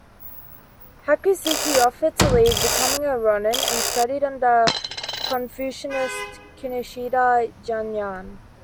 Hakuseki offered to leave, becoming a ronin and studied under Confucianist Kinoshita Jun'an.